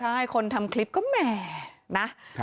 ใช่คนทำคลิปก็แหมนะ